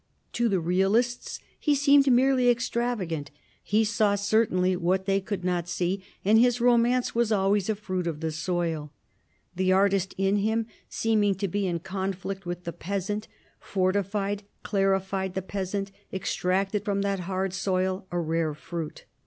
To the realists he seemed merely extravagant; he saw certainly what they could not see; and his romance was always a fruit of the soil. The artist in him, seeming to be in conflict with the peasant, fortified, clarified the peasant, extracted from that hard soil a rare fruit.